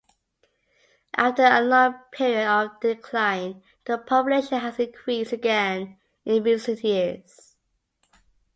After a long period of decline, the population has increased again in recent years.